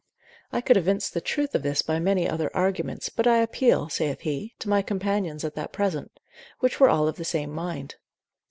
I could evince the truth of this by many other arguments, but I appeal (saith he) to my companions at that present, which were all of the same mind.